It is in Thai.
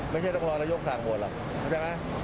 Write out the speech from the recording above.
ไม่ใช่ต้องรอระยกส่างหมวดหรอกเขาได้ไหม